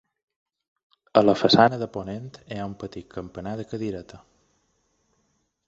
A la façana de ponent hi ha un petit campanar de cadireta.